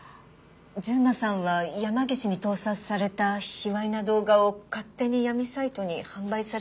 純奈さんは山岸に盗撮された卑猥な動画を勝手に闇サイトに販売されてた。